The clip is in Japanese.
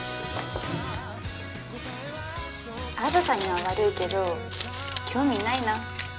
梓紗には悪いけど興味ないな。